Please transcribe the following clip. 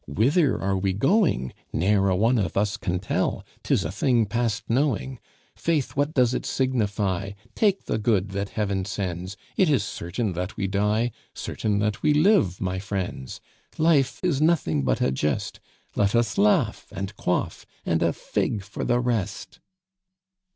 Whiter are we going? Ne'er a one of us can tell, 'Tis a thing past knowing. Faith! what does it signify, Take the good that Heaven sends; It is certain that we die, Certain that we live, my friends. Life is nothing but a jest. Let us laugh, And quaff, And a fig for the rest!